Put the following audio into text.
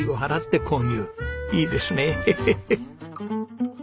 いいですねヘヘヘ！